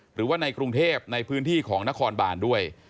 หรือว่าในกรุงเทพในพื้นที่ของนครบานด้วย